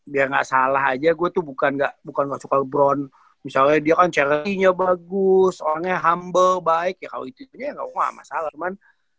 biar gak salah aja gue tuh bukan gak suka lebron misalnya dia kan charity nya bagus orangnya humble baik ya kalo gitu ya gak masalah cuman